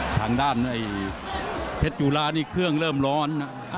ทางด้านเพชรจุฬานี่เครื่องเริ่มร้อนนะ